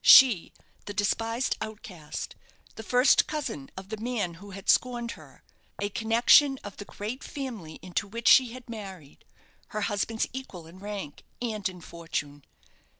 She, the despised outcast, the first cousin of the man who had scorned her, a connection of the great family into which she had married, her husband's equal in rank, and in fortune!